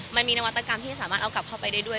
มันมีนวัตกรรมที่สามารถเอากลับเข้าไปได้ด้วย